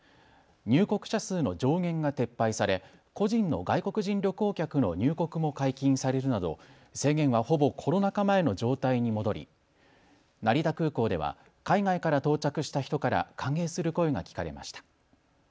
入国者数の上限が撤廃され個人の外国人旅行客の入国も解禁されるなど制限はほぼコロナ禍前の状態に戻り成田空港では海外から到着した人から歓迎する声が聞かれました。